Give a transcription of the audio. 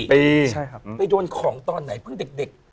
ไปโดนของตอนไหนเพิ่งเด็ก